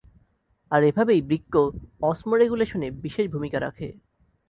আর এভাবেই বৃক্ক অসমোরেগুলেশনে বিশেষ ভূমিকা রাখে।